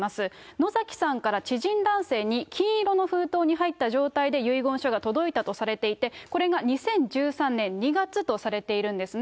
野崎さんから知人男性に金色の封筒に入った状態で遺言書が届いたとされていて、これが２０１３年２月とされているんですね。